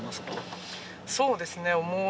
そうですね。